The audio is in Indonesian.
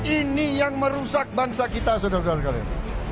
ini yang merusak bangsa kita saudara saudara sekalian